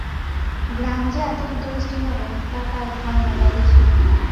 গ্রাম যে এত ইন্টারেস্টিং হবে, তা তার ধারণার বাইরে ছিল।